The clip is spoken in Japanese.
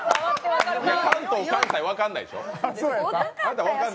関東、関西は分からないでしょあなた。